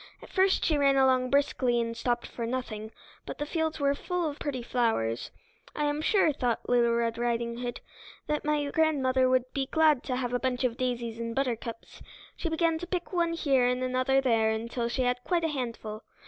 At first she ran along briskly and stopped for nothing, but the fields were full of pretty flowers. "I am sure," thought Red Riding Hood "that my grandmother would be glad to have a bunch of daisies and buttercups." She began to pick one here and another there until she had quite a handful.